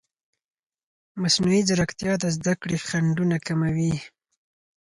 مصنوعي ځیرکتیا د زده کړې خنډونه کموي.